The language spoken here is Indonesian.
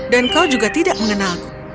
dan kau juga tidak mengenalku